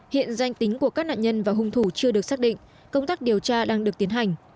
hiện danh tính của các nạn nhân và hung thủ chưa được xác định công tác điều tra đang được tiến hành